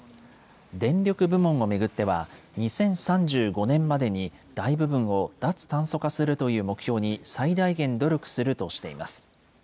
電力部門を巡っては、２０３５年までに大部分を脱炭素化するという目標に最大限努力するとしています。